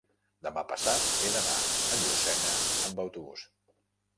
Demà passat he d'anar a Llucena amb autobús.